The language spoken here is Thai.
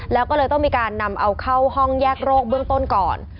แล้วก็เลยต้องมีการนำเอาเข้าห้องแยกโรคเบื้องต้นก่อน